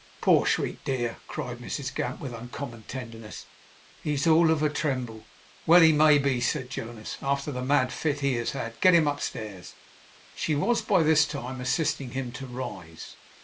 'Poor sweet dear!' cried Mrs Gamp, with uncommon tenderness. 'He's all of a tremble.' 'Well he may be,' said Jonas, 'after the mad fit he has had. Get him upstairs.' She was by this time assisting him to rise.